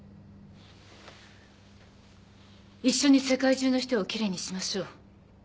一緒に世界中の人を奇麗にしましょう。